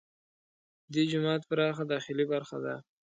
دې جومات پراخه داخلي برخه ده.